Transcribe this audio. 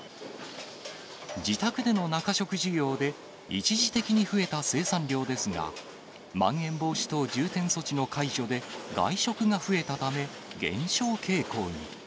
自宅での中食需要で、一時的に増えた生産量ですが、まん延防止等重点措置の解除で、外食が増えたため減少傾向に。